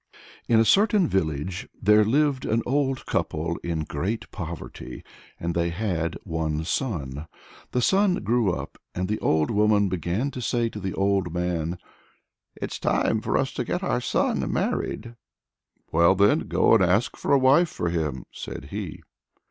In a certain village there lived an old couple in great poverty, and they had one son. The son grew up, and the old woman began to say to the old man: "It's time for us to get our son married." "Well then, go and ask for a wife for him," said he.